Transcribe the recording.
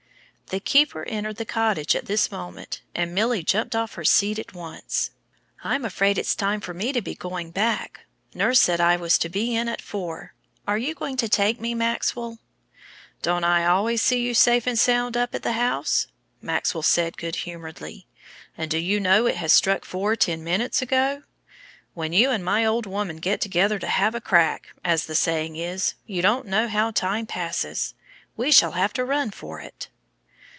The keeper entered the cottage at this moment, and Milly jumped off her seat at once. "I'm afraid it's time for me to be going back. Nurse said I was to be in at four. Are you going to take me, Maxwell?" "Don't I always see you safe and sound up at the house?" Maxwell said good humoredly, "and do you know it has struck four ten minutes ago? When you and my old woman get together to have a crack, as the saying is, you don't know how time passes. We shall have to run for it."